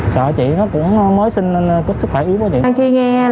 sợ chị nó cũng mới sinh nên sức khỏe yếu đó chị